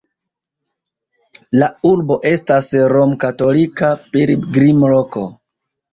La urbo estas romkatolika pilgrimloko.